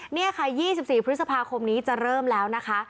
นี่ค่ะ๒๔พฤษภาคมนี้จะเริ่มแล้วนะคะ